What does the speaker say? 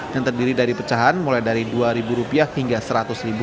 yang terdiri dari pecahan mulai dari rp dua hingga rp seratus